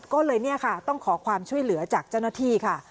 ก็เลยเนี่ยค่ะต้องขอความช่วยเหลือจากเจ้าหน้าที่ค่ะ